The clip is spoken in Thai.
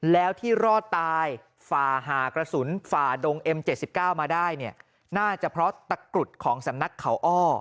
แล้วที่รอดตายฝ่าหากระสุนฝ่าดงเอ็ม๗๙มาได้เนี่ยน่าจะเพราะตะกรุดของสำนักเขาอ้อ